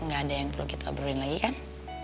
nggak ada yang perlu kita obrolin lagi kan